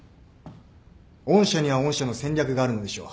御社には御社の戦略があるのでしょう。